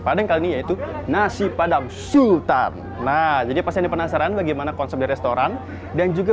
padang kali itu nasi padang sultan nah jadi pas ini penasaran bagaimana konsep restoran dan juga